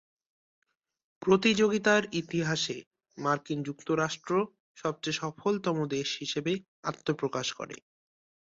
প্রতিযোগিতার ইতিহাসে মার্কিন যুক্তরাষ্ট্র সবচেয়ে সফলতম দল হিসেবে আত্মপ্রকাশ করে।